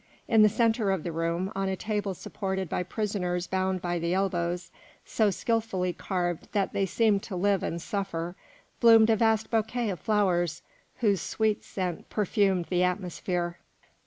In the centre of the room, on a table supported by prisoners bound by the elbows, so skilfully carved that they seemed to live and suffer, bloomed a vast bouquet of flowers whose sweet scent perfumed the atmosphere.